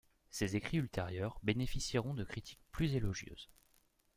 Ses écrits ultérieurs bénéficieront de critiques plus élogieuses.